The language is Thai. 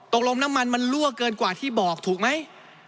น้ำมันมันรั่วเกินกว่าที่บอกถูกไหม